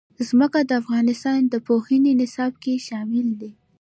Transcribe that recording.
ځمکه د افغانستان د پوهنې نصاب کې شامل دي.